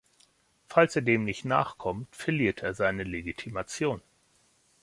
Falls er dem nicht nachkommt, verliert er seine Legitimation.